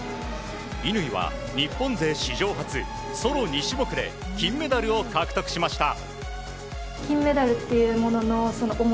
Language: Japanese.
乾は、日本勢史上初ソロ２種目で金メダルを獲得しました。